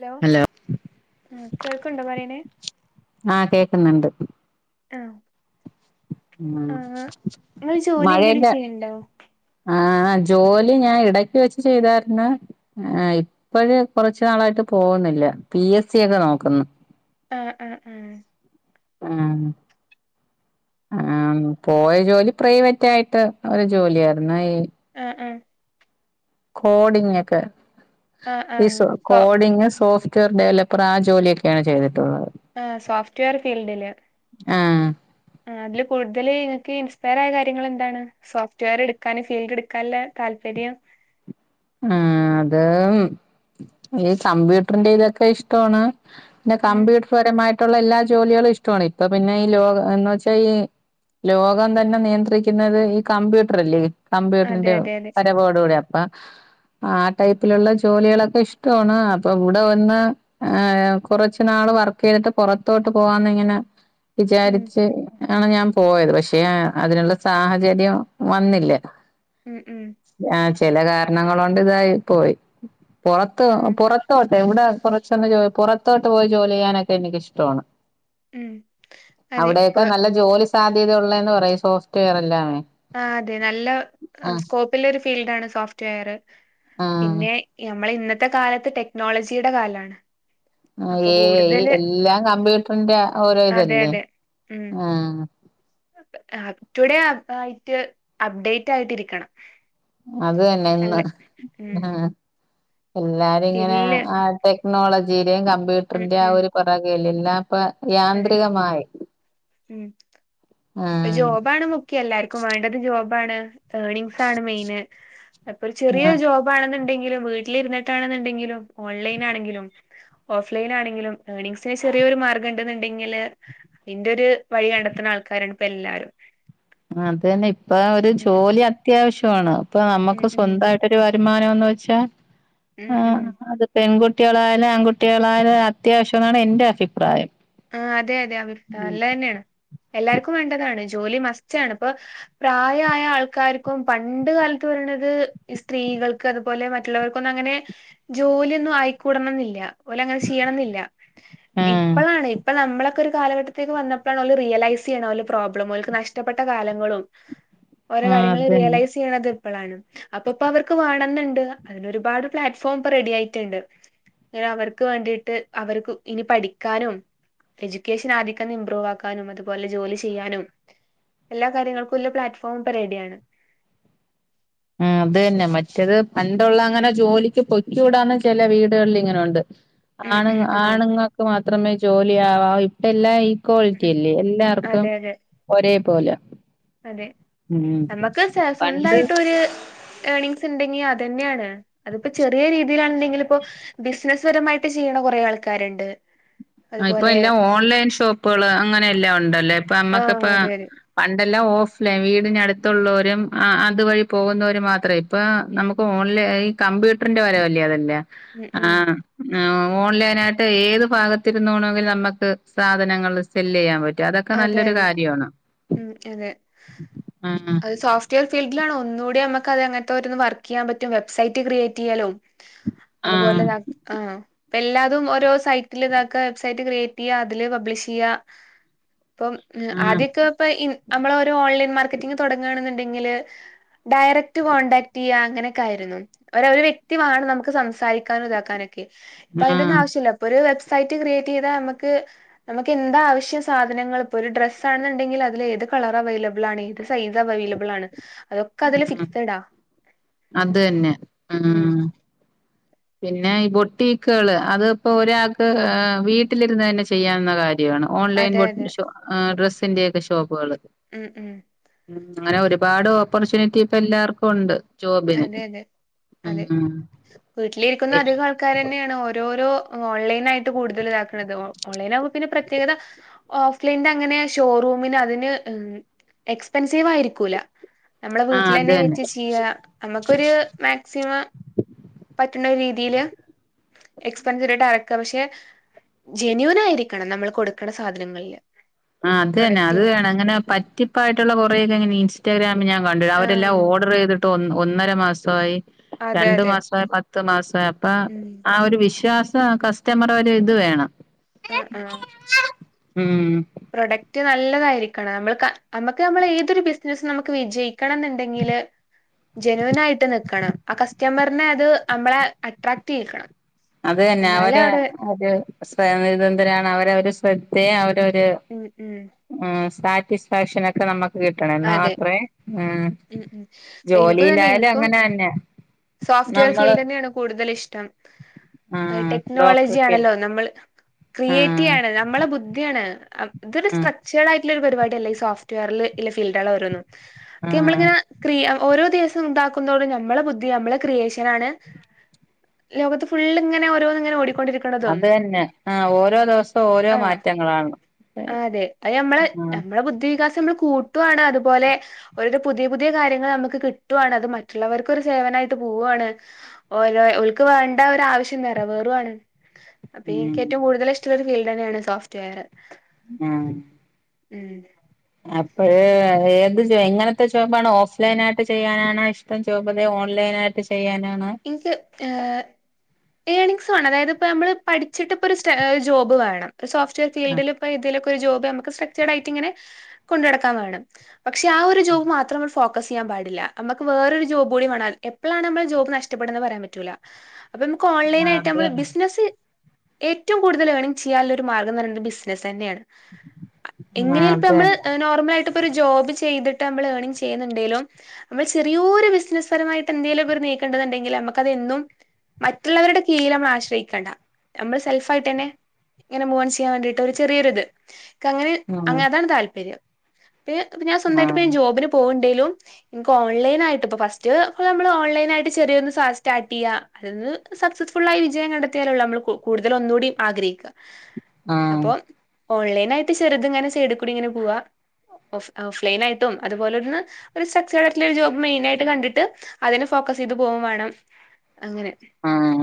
Hello ആഹ് കേൾക്കിണ്ടോ പറയണ്. ആഹ് കേക്കുന്നുണ്ട് ആഹ്. ഉം നിങ്ങള് ജോലി മഴ എന്തേലും അല്ല ചെയ്യണ്ടോ ആഹ് ജോലി ഞാൻ ഇടക്ക് വെച്ച് ചെയ്തായിര്ന്ന്. ആഹ് ഇപ്പഴ് കൊറച്ചു നാളായിട്ട് പോവ്ന്നില്ല പി എസ് സി ഒക്കെ നോക്കുന്നു. ഏഹ് ഏഹ് ഏഹ്. ഉം. ആഹ് പോയ ജോലി പ്രൈവറ്റ് ആയിട്ട് ഒരു ജോലി ആയിരുന്ന്. ഏഹ് ഏഹ്. കോഡിങ് ഒക്കെ ആ ആ ഈ സ് so coding software developer ആ ജോലിയൊക്കെയാണ് ചെയ്തിട്ടുള്ളത്. ഏഹ് സോഫ്റ്റ്വെയർ ഫീൽഡില്. ആഹ് ഏഹ് അതില് കൂടുതൽ നിങ്ങക്ക് ഇൻസ്പയർ ആയ കാര്യങ്ങൾ എന്താണ്? സോഫ്റ്റ്വെയർ എടുക്കാനും ഫീൽഡ് എടുക്കാനുള്ള താല്പര്യം? ആഹ് അത് ഈ കമ്പ്യൂട്ടറിന്റെ ഇതൊക്കെ ഇഷ്ടാണ്. പിന്നെ ഉം കമ്പ്യൂട്ടർ പരമായിട്ടുള്ള എല്ലാ ജോലികളും ഇഷ്ടോണ് ഇപ്പൊ പിന്നെ ഈ ലോക എന്ന് വെച്ചാ ഈ ലോകം തന്നെ നിയന്ത്രിക്കുന്നത് ഈ കമ്പ്യൂട്ടർ അല്ലേ അതെ കമ്പ്യൂട്ടറിന്റെ അതെ അതെ വരവോടു കൂടെ പ്പ ആ ടൈപ്പിലുള്ള ജോലികളൊക്കെ ഇഷ്ടോണ് അപ്പൊ ഇവിടെ വന്ന് ആഹ് കുറച്ച് നാള് വർക്കെയ്തിട്ട് പുറത്തോട്ട് പോവാന്ന് ഇങ്ങനെ ഉം വിചാരിച്ച് ആണ് ഞാൻ പോയത് പക്ഷേ അതിനുള്ള സാഹചര്യം വന്നില്ല. ഉം ഉം. ആഹ് ചെല കാരണങ്ങളോണ്ട് ഇതായി പോയി പൊറത്ത് ആ പൊറ ത്തോട്ട് എവിടെ കുറച്ചൊന്ന് ജോ പൊറത്തോട്ട് പോയി ജോലി ചെയ്യാനൊക്കെ എനക്ക് ഇഷ്ടാണ്. ഉം അതെ ഇപ്പൊ അവിടെക്കെ നല്ല ജോലി സാധ്യത ഉള്ളെന്ന് പറയാ ഈ സോഫ്റ്റ്വെയർ എല്ലാേ. ആഹ് അതെ നല്ല സ്കോപ്പില്ല ഒരു ഫീൽഡാണ് സോഫ്റ്റ് വെയറ് ആ പിന്നെ നമ്മളിന്നത്തെ കാലത്ത് ടെക്നോളജിയുടെ കാലാണ് ആഹ് അപ്പൊ ഏയ് ഈ കൂടുതല് എല്ലാം കമ്പ്യൂട്ടറിന്റെ ഓരോ അതെ ഇതല്ലെ അതെ ഉം ആഹ് അപ് ടുഡേ ആയിട്ട് അപ്ഡേറ്റായിട്ടിരിക്കണം അത് തന്നെ ഇന്ന് ഉം എല്ലാരും ഇങ്ങനെ അ സ്കില്ല് ആട്ടെ ക്നോളജീടേം ഉം കമ്പ്യൂട്ടറിന്റേം ആ ഉം ഒരു പൊറകെയല്ലേ എല്ലാം പ്പ അതെ യാന്ത്രികമായ്. ഇപ്പ ജോബാണ് മുഖ്യം എല്ലാർക്കും വേണ്ടത് ജോബാണ്. ഏണിങ്സാണ് മെയ്ന്. ഇപ്പൊരു ആ ചെറിയൊര് ജോബാണെന്നിണ്ടെങ്കിലും വീട്ടിലിരുന്നട്ടാണെന്നിണ്ടെങ്കിലും ഓൺലൈനാണെങ്കിലും ഓഫ് ലൈനാണെങ്കിലും ഏണിങ്സിന് ചെറിയൊരു മാർഗ്ഗണ്ട് എന്നിണ്ടെങ്കില്. ഇന്റൊര് വഴി കണ്ടെത്തണ ആൾക്കാരാണ് ഇപ്പെല്ലാരും അതന്നെ ഇപ്പ ഒര് ജോലി അത്യാവശ്യാണ്. ഇപ്പൊ ഉം നമ്മക്ക് ഉം സ്വന്തായി ട്ടൊരു വരുമാനവുന്ന് വെച്ചാ ഉം ആഹ് ഉം അത് പെൺകുട്ടികളായാലും ആൺകുട്ടികളായാലും അത്യാവശ്യമാണ് എന്റെ അഭിപ്രായം. ആഹ് അതെ അതെ അവര് നല്ലതന്നേണ് എല്ലാർക്കും വേണ്ടതാണ് ജോലി മസ്റ്റാണിപ്പൊ പ്രായായ ആൾക്കാർക്കും പണ്ട് കാലത്ത് പറയണത് ഈ സ്ത്രീകൾ ക്കതുപോലെ മറ്റുള്ളവർക്കൊന്നങ്ങനെ ജോലിയൊന്നും ആയിക്കൂടണംന്നില്ല ഓലങ്ങനെ ചെയ്യണംന്നില്ല ആഹ് ഇപ്പളാണ് ഇപ്പ നമ്മളക്കൊരു കാലഘട്ടത്തേക്ക് വന്നപ്പളാണ്. ഓല് റിയലൈസ് ചെയ്യണത് ഓല പ്രോബ്ലം ഓൽക്ക് നഷ്ടപ്പെട്ട കാലങ്ങളും. ഓരോ ആഹ് അത് കാര്യങ്ങള് തന്നെ റിയലൈസ് ചെയ്യണത് ഇപ്പളാണ്. അപ്പപ്പ അവർക്ക് വേണന്നിണ്ട്. അതിനൊരുപാട് പ്ലാറ്റ്ഫോം ഇപ്പ റെഡിയായിട്ടിണ്ട്. ഇങ്ങനെ അവർക്ക് വേണ്ടീട്ട് അവർക്ക് ഇനി പഠിക്കാനും. എഡ്യൂക്കേഷൻ ആദിക്കെന്ന് ഇംമ്പ്രൂവാക്കാനും അതുപോലെ ജോലി ചെയ്യാനും. എല്ലാ കാര്യങ്ങൾക്കുല്ല പ്ലാറ്റ്ഫോം ഇപ്പ റെഡിയാണ്. ആഹ് അതന്നെ മറ്റെത് പണ്ടൊള്ള അങ്ങനെ ജോലിക്ക് പൊയ്ക്കൂടാന്ന് ചെല വീടുകൾല് ഇങ്ങനുണ്ട്. ഉം ആണ് ഉം ആഹ് ആണുങ്ങക്ക് മാത്രമെ ജോലി ആവാവു ഇപ്പെല്ലാ ഈ. ഉം ക്വാളിറ്റിയല്ലേ എല്ലാർക്കും അതെ അതെ ഒരേ പോല അതെ നമ്മക്ക് സെ പണ്ട് സ്വന്തായിട്ടൊര്. ഏണിംങ്സെണ്ടെങ്കി അതന്നേണ്. അതിപ്പൊ ചെറിയ രീതീലെണ്ടെങ്കിലും. ഇപ്പൊ ബിസ്നസ് പരമായിട്ട് ചെയ്യണ കൊറെ ആൾക്കാരെണ്ട്. ആഹ് ഇപ്പൊ എല്ലാം ഓൺലൈൻ ഷോപ്പുകള്. അങ്ങനെല്ലാം ഒണ്ടല്ലൊ ഇപ്പൊ നമ്മ‌ക്കിപ്പ ആഹ് അതെ അതെ പണ്ടെല്ലാം ഓഫ് ലൈൻ വീടിനടുത്തുള്ളോരും അഹ് അതുവഴി പോകുന്നവരും മാത്രേ. ഇപ്പാ നമുക്ക് ഓൺലൈ ആയി കമ്പ്യൂട്ടറിന്റെ വരവല്ലെ അതെല്ലാം ഉം ഉം ആഹ് ആഹ് ഓൺലൈനായിട്ട് ഏത് ഭാഗ ത്തിരുന്നോണെങ്കി നമ്മക്ക് സാധനങ്ങള് സെല്ല് ചെയ്യാൻ പ റ്റും അതൊക്കെ അതെ നല്ലൊര് അതെ കാര്യവാണ് ഉം ആഹ് [unintelligible] ഫീൽഡിലാണോ ഒന്നുകൂടി നമ്മക്കത് അങ്ങെൻത്തോരോന്ന് വർക്കെയ്യാൻ പറ്റും. വെബ്സൈറ്റ് ക്രിയേറ്റെയ്യലും ആഹ് അതുപോലെ ന ആഹ് പ്പെല്ലാതും ഓരോ സൈറ്റില് ഇതാക്കാ വെബ്സൈറ്റ് ക്രിയേറ്റെയ്യാ അതില് പബ്ലിഷെയ്യാ ഇപ്പം ഉം ആഹ് ആദ്യ‌ക്കിപ്പ ഇം അമ്മളോരോ ഓൺലൈൻ മാർക്കറ്റിങ് തൊടങ്ങാണ്ന്നിണ്ടെങ്കില് ഡയറക്ട് കോൺടാക്റ്റെയ്യ അങ്ങനെക്കായിരുന്നു. ഒര അവര് വ്യക്തി വാണം നമക്ക് സംസാരിക്കാനും ഇതാക്കാനൊ ക്കെ ഇപ്പ അയിന്റൊന്നും ആഹ് ആവശ്യില്ല ഇപ്പൊരു വെബ്സൈറ്റ് ക്രിയേറ്റ് ചെയ്താ നമ്മക്ക് നമ്മക്കെന്താവിശ്യം സാ സാധനങ്ങള് ഇപ്പൊരു ഡ്രസ്സാൺന്നിണ്ടെങ്കില് അതിലേത് കളർ അവൈലബിളാണ് ഏത് സൈസ് അവൈലബിളാണ് അതൊ ക്കതില് ആഹ് ഫിക്സഡ അത് തന്നെ ഉം ആഹ് പിന്നെ ഈ ബൊട്ടീക്കള് അതി ഇപ്പോരാക്ക് വീട്ടിലിരുന്നെന്നെ ചെയ്യാവുന്ന കാര്യാ. ഓൺലൈൻ അതെ അതെ വെട്ട് ഷോ ആ ഡ്രസ്സിന്റെക്കെ ഷോപ്പുകള്. ഉം ഉം. ഉം അങ്ങനെ ഒരുപാട് ഓപ്പർച്യൂണിറ്റി ഇപ്പൊല്ലാർക്കുണ്ട്. ജോബിന് അതെ ഉം വീട്ട്ലിരിക്കുന്ന അധികാൾ ക്കാരന്നെണ് ഓരോരോ ഓൺലൈനായിട്ട് കൂടുതല് ഇതാക്ക്ണത് ഓൺലൈനാകുമ്പോ പിന്നെ പ്രത്യേകത ഓഫ് ലൈൻ്റെ അങ്ങനെ ഷോറൂമിന് അതിന് എക്സ്പെൻസീവായിരിക്കൂല. നമ്മളെ ആഹ് അത് വീട്ടിലെന്നെ തന്നെ വെച്ച് ചെയ്യാ നമ്മക്കൊരു മാക്സിമം. പറ്റ്ണ രീതിയില് എക്സ്പെൻസിട്ടിട്ട് അയക്കാ പക്ഷെ ജെനൂനായിരിക്കണം നമ്മള് കൊടുക്ക്ണ സാധനങ്ങളില്. ആഹ് അത് തന്നെ അത് പ്രൊഡക്റ്റിന് വേണം ഇങ്ങനെ പറ്റിപ്പായിട്ട്ള്ള കൊറേ ഒക്കെ മീൻസ് ഇൻസ്റ്റാഗ്രാമി ഞാൻ കണ്ടു. അവരെല്ലാം ആഹ് ഓർഡർ ചെയ്തിട്ട് ഒന്ന് ഒന്നര മാസവായി അതെ രണ്ട് അതെ മാസ പത്ത് മാസം ആയപ്പോ ഉം ആ ഒരു വിശ്വാസം കസ്റ്റമറെ ഒര് ഇത് വേണം. ആഹ് ആഹ് ഉം പ്രൊഡക്റ്റ് നല്ലതായിരിക്കണം നമ്മള് നമക്ക് നമ്മളെ ഏതൊരു ബിസിനസും നമുക്ക് വിജയിക്കണം എന്നുണ്ടെങ്കില്. ജെനുവിന് ആയിട്ട് നിക്കണം ആ കസ്റ്റമറിനെ അത് നമ്മളെ അട്രാക്ട് ചെയ്യിക്കണം. അത് തന്നെ എന്നാലേ അവരെ അവിടെ [unintelligible] അവരെ ഒരു ശ്രദ്ധയ അവര് ഒര് ഉം ഉം ഉം സാറ്റിസ്ഫാക്ഷൻ ഒക്കെ നമക്ക് കിട്ടെണ ഇന്നാ അതെ അത്രേ ഉം ഉം അപ്പൊ ജോലീല്ലായാലും അങ്ങനെ തന്നെ. സോഫ്റ്റ് വെയർ നമ്മള് ഫീൽഡ് തന്നേണ് കൂടുതല് ഇഷ്ടം. ഹൈ ആഹ് ടെക്നോളജി ഡോക്ടർക്ക് ആണല്ലോ നമ്മൾ ക്രിയേറ്റീ ആഹ് ആണ് നമ്മളെ ബുദ്ധിയാണ്. ഇത് ഒരു ആഹ് സ്ട്രക്ചർഡ് ആയിട്ടുള്ള പരിപാടിയെല്ലെ ഈ സോഫ്റ്റ് വെയറിൽ ഇല്ല ഫീൽഡാളോരോന്നും അതി നമ്മള് ആഹ് ഇങ്ങനെ ക്രി ഓരോ ദിവസം ഉണ്ടാക്കുതോടും നമ്മളെ ബുദ്ധി നമ്മളെ ക്രിയേഷൻ ആണ്. ലോകത്ത് ഫുള്ള് ഇങ്ങനെ ഓരോന്ന് ഇങ്ങനെ ഓടിക്കൊണ്ട് ഇരിക്കും. അത് തന്നെ ആ ഓരോ ദെവസവും ഓരോ മാറ്റങ്ങളാണ്. ആഹ് അതെ അത് നമ്മളെ നമ്മളെ ബുദ്ധി വികാസം നമ്മള് കൂട്ടു ആണ് അതുപോലെ. ഒര് പുതിയ പുതിയ കാര്യങ്ങള് നമുക്ക് കിട്ടോണ്. അത് മറ്റുള്ളവർക്കൊരു സേവനായിട്ട് പോവ്വാണ് ഓരോ ഓൽക്ക് വേണ്ട ഒര് ആവശ്യം നെറ വേറോണ്. അപ്പൊ എനിക്ക് ഉം ഏറ്റവും കൂടുതൽ ഇഷ്ടമുള്ള ഒരു ഫീൽഡെന്നേണ് സോഫ്റ്റ് വെയർ. ആഹ് ഉം അപ്പഴ് ഏത് എങ്ങനത്തെ ഷോപ്പാണ് ഓഫ് ലൈൻ ആയിട്ട് ചെയ്യാനാണോ ഇഷ് ട്ടം ജോബ് ലെ ഓൺലൈനായിട്ട് ചെയ്യാനാണ്. ഇൻക്ക് ഏഹ് ഏണിക്സ് വാണം അതായത് ഇപ്പോ നമ്മൾ പഠിച്ചിട്ട് ഇപ്പൊ ഒരു സ്റ്റെ ജോബ് വേണം. സോഫ്റ്റ് വെയർ ഫീൽഡില് ഇപ്പോ ഇതിലൊക്കെ ഒരു ജോബ് നമക്ക് സ്ട്രക്ചേർഡ് ആയിട്ട് ഇങ്ങനെ കൊണ്ട് നടക്കാൻ വേണം. പക്ഷെ ആ ഒരു ജോബ് മാത്രം നമ്മള് ഫോക്കസ് ചെയ്യാൻ പാടില്ല. നമക്ക് വേറൊരു ജോബൂടി വേണം അൽ എപ്പളാണ് നമുടെ ജോബ് നഷ്ട ഇഷ്ടപ്പെടന്ന് പറയാൻ പറ്റൂല. അപ്പൊ നമുക്ക് ആഹ് ഓലൈനായിട്ട് അത് നമ്മള് തന്നെ ബിസിനസ് ഏറ്റവും കൂടുതൽ ഏണിംഗ് ചെയ്യാല്ല ഒരു മാർഗംന്ന് പറയുന്നത് ബിസിനസെന്നെയാണ്. ആഹ് എങ്ങനെ ആയാലുപ്പ നമ്മള് നോർമൽ ആയിട്ട് ഇപ്പം ഒരു ജോബ് ചെയ്ത്ട്ട് നമ്മള് ഏണിങ് ചെയ്യുന്നുണ്ടങ്കിലും. നമ്മൾ ചെറോര് ഒരു ബിസിനസ് പരമായിട്ട് എന്തേലൊക്കൊരു നീക്കണ്ട്ന്ന്ണ്ടെങ്കില് നമുക്കത് എന്നും മറ്റുള്ളവരുടെ കീഴിലമ്മളാശ്രയിക്കണ്ട, നമ്മള് സെൽഫായിട്ടെന്നെ ങ്ങനെ മോൻ ചെയ്യാൻ വേണ്ടിട്ട് ഒരു ചെറിയൊരിത് ക്കങ്ങനെ അ ആഹ് അതാണ് താല്പര്യം. പിന്നെ ഞാ സ്വന്തായിട്ട് പ്പ ആഹ് ഞാൻ ജോബിന് പോവ്ണ്ടേലും ഇൻക്കോൺലൈനായിട്ട്പ്പൊ ഫസ്റ്റ് പ്പൊ നമ്മള് ഓൺലൈനായിട്ട് ചെറിയൊ ക്ലാസ് സ്റ്റാട്ടിയ്യ. അത് ന്ന് സക്സസ്ഫുള്ളായി വിജയം കണ്ടെത്തിയാലൊള്ളു അമ്മള് കൂടുതലൊന്നൂടി ആഗ്രഹിക്ക. ആഹ് അപ്പൊ ഓൺലൈനായിട്ട് ചെറുത്ങ്ങനെ സൈഡ്ക്കൂടിങ്ങനെ പോവ്വ്വ. ഓഫ് ഓഫ് ലൈനായിട്ടും അതുപോലെന്ന് ഒരു സക്സേഡായിട്ടുള്ളൊരു ജോബ് മെയിനായിട്ട് കണ്ടിട്ട് അതിനെ ഫോക്കസെയ്ത് പോകും വേണം അങ്ങനെ ഉം..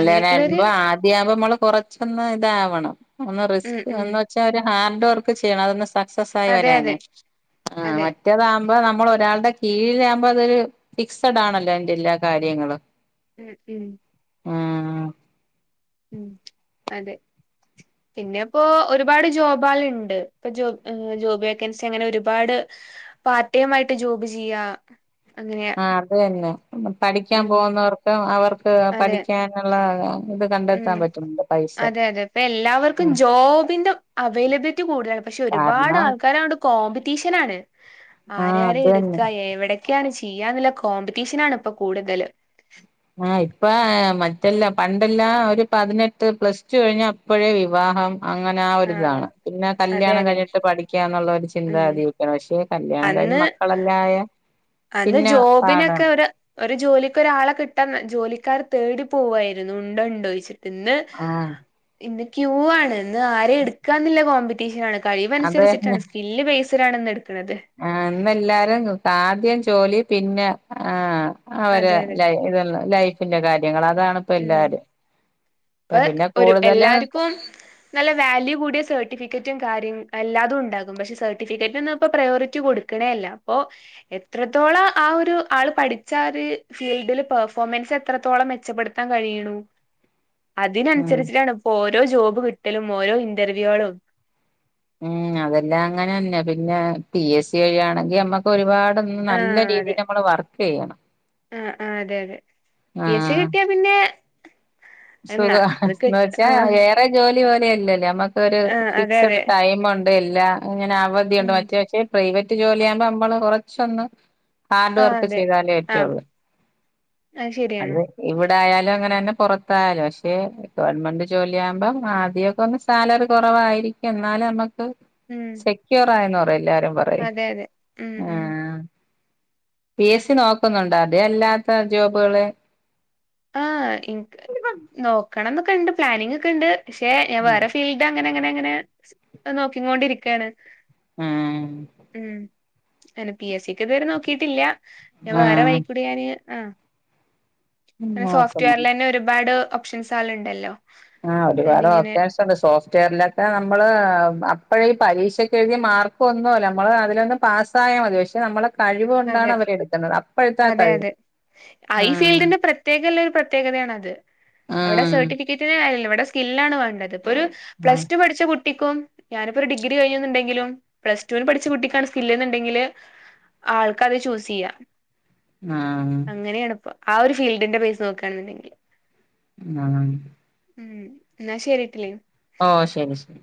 അങ്ങനെയൊക്കെയുള്ള ഒരു ആദ്യാമ്പമ്മള് കൊറച്ചൊന്ന് ഇതാവണം. ഒന്ന് ഉം റിസ്ക് ഉം എന്ന് വെച്ചാ ഒരു ഹാർഡ് വർക്ക് ചെയ്യണം അതൊന്ന് സെക്സെസായി അതെ അതെ വരാനേ ആഹ് മറ്റ് അതെ മറ്റെതാകുമ്പോ നമ്മളൊരാളുടെ കീഴിലാകുമ്പൊ അതൊരു ഫിക്സഡാണല്ലൊ അയ്ന്റെ എല്ലാ കാര്യങ്ങളും. ഉം ഉം ഉം.... ഉം അതെ പിന്നെഇപ്പോ ഒരുപാട് ജോബാള്ണ്ട്. പ്പൊ ജോബ് ജോബ് വേക്കൻസി അങ്ങനൊരുപാട്. പാർട്ടൈംമായിട്ട് ജോബ് ചെയ്യാ അങ്ങനെ ആഹ് അത് തന്നെ. പഠിക്കാൻ ഉം പോവുന്നവർക്ക് അവർക്ക് അതെ പഠിക്കാന്ള്ള ഉം ണ്ടെത്താൻ പറ്റ്ണ് ണ്ട് അതെ അതെ പ്പ എല്ലാവർക്കും ജോബിന്റെ അവൈലബിലിറ്റി കൂടുതലാ പക്ഷെ കാരണം ഒര്പാടാൾക്കാരങ്ങട് കോമ്പറ്റീഷനാണ്, ആഹ് ആരെയാരെ അത് തന്നെ എട്ക്ക എവ്ടെ ക്ക്യാണ് ചെയ്യാന്ന്ള്ള കോമ്പറ്റീഷനാണ്പ്പ കൂട്തല് ആഹ് ഇപ്പ മറ്റെല്ലാ പണ്ടെല്ലാം ഒര് പതിനെട്ട് പ്ലസ് ടു കഴിഞ്ഞാ അപ്പൊഴേ വിവാഹം ആഹ് അങ്ങനാഒരിതാണ്. പിന്ന അതെ കല്യാണം അതെ കഴിഞ്ഞിട്ട് പഠിക്കാന്ന്ള്ളൊരു ഉം ചിന്താഗതിയു പക്ഷേ കല്യാണം കഴിഞ്ഞ് അന്ന് മക്കളെല്ലാ ആയ അന്ന് ജോബിനൊക്കെ ര് ഒര് ജോലിക്കൊരാളെ കിട്ടാൻ ജോലിക്കാര് തേടി പോവായിര്ന്നു ഉണ്ടോ ണ്ടോയ്ച്ചിട്ട് ഇന്ന് ആഹ് ഇന്ന് ക്യൂവാണ്. ഇന്ന് ആരെ ഇട്ക്കാന്നില്ല കോമ്പി റ്റീഷനാണ്. അത് തന്നെ കഴിവൻസരിച്ചിട്ടാണ് സ്കില്ല് ബേയ്സിലാണ്ന്ന്ട്ക്ക്ണ്ത് ആഹ് ഇന്നെല്ലാരും ആദ്യം ജോലി പിന്നെ ആഹ് അവരെ അതെ അതെ ലൈ ഇത ലൈഫിന്റെ കാര്യങ്ങള് അതാണ് ഇപ്പ ഉം എല്ലാരും പ്പ ഇപ്പ പിന്നെ ഒരു കൂടുതല് എല്ലാര്ക്കും നല്ല വാല്യൂകൂടിയ സെർട്ടിഫിക്കറ്റും കാര്യം എല്ലാതുംണ്ടാകും. പക്ഷെ സെട്ടിഫിക്കറ്റിനൊന്നും ഇപ്പ പ്രയോരിറ്റി കൊട് ക്ക്ണേല്ല പ്പൊ എത്രത്തോളം ആ ഒരു ആള് പഠിച്ചാ ഒര് ഫീൽഡില് പെർഫോമൻസ് എത്രത്തോളം മെച്ചപ്പെട് ത്താൻ കഴിയ്ണു, ഉം അതിനനുസരിച്ചിട്ടാണ് ഓരോ ജോബ് കിട്ടലും ഓരോ ഇന്റർവ്യാളും ഉം അതെല്ലാം അങ്ങനന്നെ, പിന്നെ പി എസ് സി വഴിയാണങ്കി അമ്മ ക്കൊര്പാട് ആഹ് നല്ല അതെ രീതിയിലമ്മള് വർക്കെയ്യണം ആഹ് ആഹ് അതെ അതെ പി എസ് സി കിട്ടിയാ പിന്നെ എന്നാ സുഖം. അത് ന്ന് കിട്ട വെച്ചാ ആഹ് ഏർ റേ ജോലി പോലെയല്ലല്ലേ, നമ്മക്കൊര് ആഹ് അതെ ഫിക്സ്ഡ് അതെ ടൈമൊണ്ട് ഇല്ല ഇങ്ങനെ അവ ധിയുണ്ട്, ഉം മറ്റേ പക്ഷേ പ്രൈവറ്റ് ജോലിയാമ്പ അമ്മള് കൊറച്ചൊന്ന് ഹാർഡ് ആഹ് വർക്ക് അതെ ചെയ്താലേ ആഹ് പറ്റുഒള്ളൂ അത് ഇവിടായാലും അങ്ങനന്നെ പൊറത്തായാലും പക്ഷെ ഇപ്പ ഗവൺമെന്റ് ജോലിയാമ്പം ആദ്യവൊക്കെ ഒന്ന് സാലറി കൊറവായിരിക്കാം എന്നാലും അമ്മക്ക് ഉം സെക്യൂറായന്ന് പറയും എല്ലാരും പറ അതെ അതെ ഉം ഉം. പി എസ് സി നോക്ക്നൊണ്ടോ അതെ അല്ലാത്ത ജോബ്കള് ആഹ് ഇൻ നോക്കണം ന്നൊക്കെണ്ട് പ്ലാനിങ്ങ്ക്കെണ്ട് പക്ഷെ ഞാൻ വേറെ ഫീൽ ദങ്ങനെങ്ങനെങ്ങനെ നോക്കിക്കോണ്ടിരിക്കയാണ് ആഹ് ഉം. അങ്ങനെ പി എസ് സിക്ക് ഇത് വരെ നോക്കിട്ടില്ല ഞാൻ വേറെ ആഹ് വഴിക്കൂടെ ഞാന് ആഹ് ങ്ങനെ സോഫ്റ്റ് നോക്കുന്നു വെയറിലന്നെ ഒര്പാട് ഓപ്ഷൻസാള്ണ്ടല്ലോ ആഹ് ഒര്പാട് ഓപ്ഷൻസ് സോഫ്റ്റ്വെയറിലൊക്കെ നമ്മള് അപ്പഴേ പരീക്ഷക്കെഴ്തി മാർക്ക് ഒന്നുല്ല നമ്മള് അതിലൊന്ന് പാസ് സായതി പക്ഷേ നമ്മളെ കഴിവ് കൊണ്ടാണ് അതെ അവരെട്ക്കുന്നത് അപ്പോഴത്തെ ആ കഴിവ്. ഈ ആഹ് ഫീൽഡിന്റെ പ്രത്യേകല്ല ഒര് പ്രത്യേകതയാണത്. ആഹ്. കിട്ടിട്ട് കാര്യല്ല ഇവ്ടെ സ്കില്ലാണ് വാണ്ടത് ഇപ്പൊരു പ്ലസ് ടു പഠിച്ച കുട്ടിക്കും ഞാനിപ്പോ ഒര് ഡിഗ്രി കഴിഞ്ന്ന്ണ്ടെങ്കിലും പ്ലസ് ടുവിൽ പഠിച്ച കുട്ടിക്കാണ് സ്കില്ല്ന്ന്ണ്ടങ്കില് ആൾക്കത് ചൂസ് ചെയ്യാം ആഹ് അങ്ങനെയാണി പ്പം. ആ ഒരു ഫീൽഡിന്റെ ബേസ് നോക്കാണെന്ന്ണ്ടങ്കി ആഹ്. ഉം എന്നാ ശെരിട്ടിലി. ഓഹ് ശെരി ശെരി.